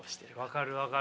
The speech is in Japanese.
分かる分かる。